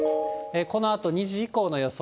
このあと２時以降の予想。